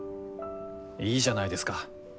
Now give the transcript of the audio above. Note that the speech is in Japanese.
いいじゃないですか。